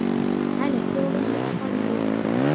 عَلَى سُرُرٍ مُتَقَابِلِينَ